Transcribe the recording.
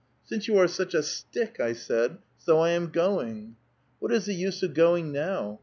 ' Since you are such a stick !' I said, ' so I am going.' ' What is the use of going now